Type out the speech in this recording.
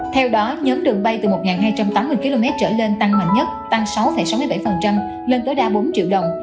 theo đó nhóm đường bay từ một hai trăm tám mươi km trở lên tăng mạnh nhất tăng sáu sáu mươi bảy lên tối đa bốn triệu đồng